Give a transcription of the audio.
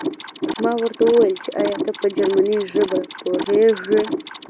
ما ورته وویل چې ایا ته په جرمني ژبه پوهېږې